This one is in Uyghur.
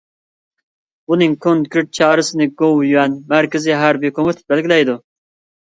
بۇنىڭ كونكرېت چارىسىنى گوۋۇيۈەن، مەركىزىي ھەربىي كومىتېت بەلگىلەيدۇ.